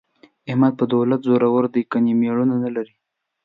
احمد په دولت زورو دی، ګني مېړونه نه لري.